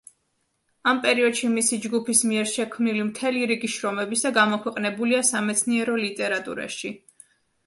ამ პერიოდში მისი ჯგუფის მიერ შექმნილი მთელი რიგი შრომებისა გამოქვეყნებულია სამეცნიერო ლიტერატურაში.